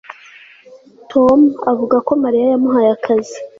Tom avuga ko Mariya yamuhaye akazi